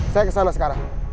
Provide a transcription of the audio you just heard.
saya kesana sekarang